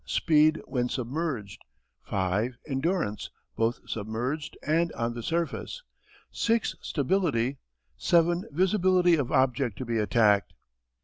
Speed when submerged. 5. Endurance, both submerged and on the surface. 6. Stability. 7. Visibility of object to be attacked.